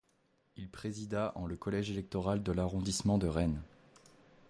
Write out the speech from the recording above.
Il présida en le collège électoral de l'arrondissement de Rennes.